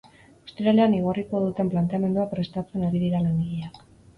Ostiralean igorriko duten planteamendua prestatzen ari dira langileak.